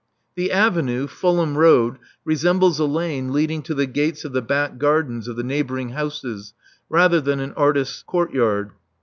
The Avenue, Fulham Road, resembles a lane leading to the gates of the back gardens of the neighboring houses rather than an artist's courtyard.